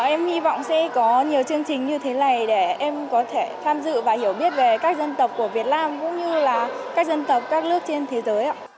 em hy vọng sẽ có nhiều chương trình như thế này để em có thể tham dự và hiểu biết về các dân tộc của việt nam cũng như là các dân tộc các nước trên thế giới